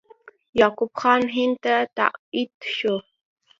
یعقوب خان هند ته تبعید شو.